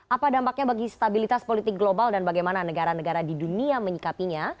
apa dampaknya bagi stabilitas politik global dan bagaimana negara negara di dunia menyikapinya